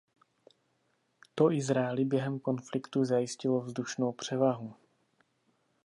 To Izraeli během konfliktu zajistilo vzdušnou převahu.